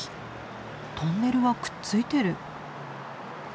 トンネルはくっついてる。